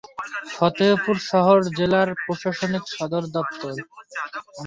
ফতেহপুর শহর জেলার প্রশাসনিক সদর দফতর।